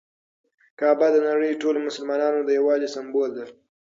کعبه د نړۍ ټولو مسلمانانو د یووالي سمبول ده.